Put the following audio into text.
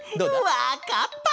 わかった！